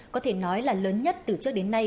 có thể nói là lớn nhất từ trước đến nay